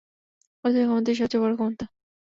অর্থের ক্ষমতাই সবচেয়ে বড় ক্ষমতা।